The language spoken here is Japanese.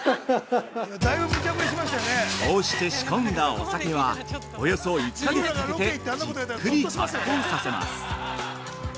◆こうして仕込んだお酒はおよそ１か月かけてじっくり発酵させます。